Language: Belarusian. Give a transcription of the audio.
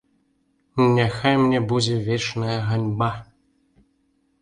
Няхай мне будзе вечная ганьба!